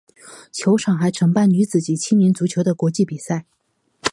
球场还承办女子及青年足球的国际比赛。